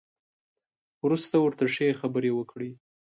وروسته ورته ښې خبرې وکړئ.